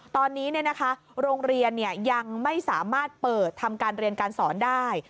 ตอนนี้โรงเรียนยังไม่สามารถเปิดทำการเรียนการสอนได้